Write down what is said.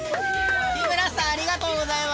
日村さんありがとうございます！